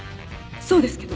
そうですけど